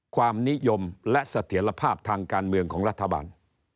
ความนิยมและเสถียรภาพทางการเมืองของรัฐบาล